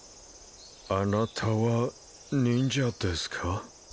あなたは忍者ですか？